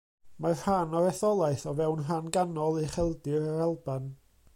Mae rhan o'r etholaeth o fewn rhan ganol Ucheldir yr Alban.